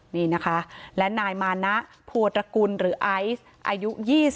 นี่นะคะและนายมานะโพตระกุลหรือไอซ์อายุ๒๐